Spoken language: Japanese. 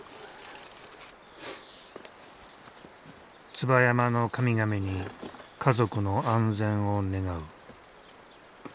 椿山の神々に家族の安全を願う。